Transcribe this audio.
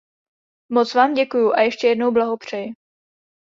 Moc Vám děkuji a ještě jednou blahopřeji.